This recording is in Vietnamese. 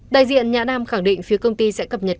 đại diện nhã nam khẳng định phía công ty sẽ cập nhật